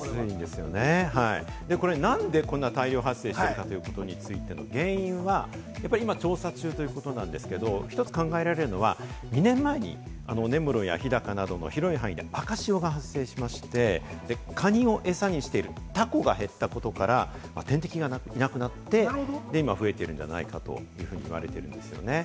はい、何でこんな大量発生しているかということについて、原因は今、調査中ということなんですけれども、１つ考えられるのは、２年前に根室や日高などの広い範囲で赤潮が発生しまして、カニを餌にしているタコが減ったことから、天敵がいなくなって、それで今、増えてるんじゃないかと言われているんですね。